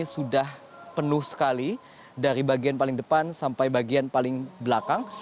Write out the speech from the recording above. sudah penuh sekali dari bagian paling depan sampai bagian paling belakang